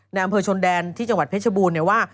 อำเภอชนแดนที่จังหวัดเพชรบูรณ์เนี่ยว่า